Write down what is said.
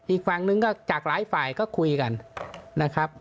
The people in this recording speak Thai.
อีกฝั่งนึงก็จากหลายฝ่ายก็คุยกันนะครับ